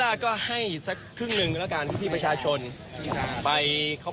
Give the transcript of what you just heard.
อาจจะถึงขั้นตอนสุดท้ายที่เขา